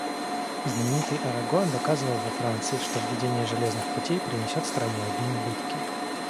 Знаменитый Араго доказывал во Франции, что введение железных путей принесет стране одни убытки.